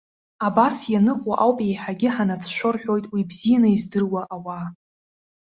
Абас ианыҟоу ауп еиҳагьы ҳанацәшәо рҳәоит уи бзианы издыруа ауаа.